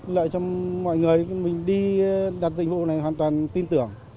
lợi cho mọi người mình đi đặt dịch vụ này hoàn toàn tin tưởng